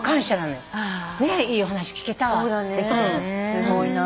すごいな。